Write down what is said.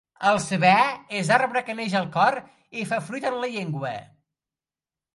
El saber és arbre que neix al cor i fa fruit en la llengua.